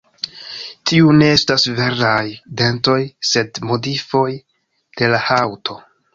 Tiuj ne estas veraj dentoj, sed modifoj de la haŭto.